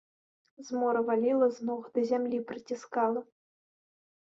Змора валіла з ног, да зямлі прыціскала.